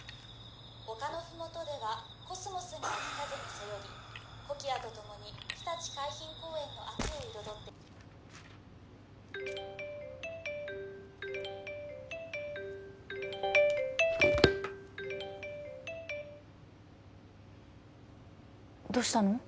丘のふもとではコスモスに秋風がそよぎコキアとともにひたち海浜公園の秋を彩ってどうしたの？